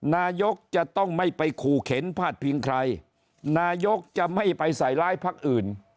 นายกจะต้องไม่ไปขู่เข็นพาดพิงใครนายกจะไม่ไปใส่ร้ายพักอื่น